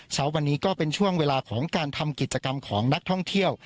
เช้าวันนี้ก็เป็นช่วงเวลาของการทำกิจกรรมของนักท่องเที่ยว